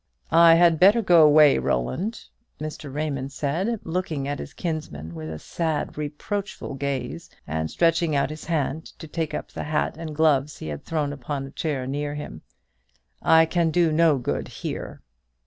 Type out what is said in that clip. "I had better go away, Roland," Mr. Raymond said, looking at his kinsman with a sad reproachful gaze, and stretching out his hand to take up the hat and gloves he had thrown upon a chair near him; "I can do no good here."